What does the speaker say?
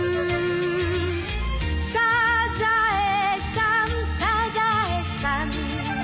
「サザエさんサザエさん」